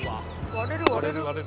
割れる割れる。